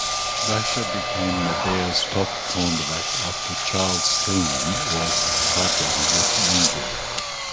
Vasher became the Bears' top cornerback after Charles Tillman was sidelined with an injury.